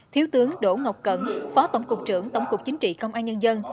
thiếu tướng đỗ ngọc cẩn phó tổng cục trưởng tổng cục chính trị công an nhân dân